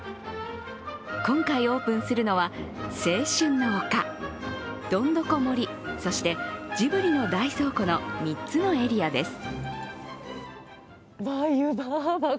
今回オープンするのは、青春の丘、どんどこ森、そしてジブリの大倉庫の３つのエリアです。